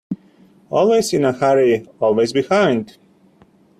Always in a hurry, always behind.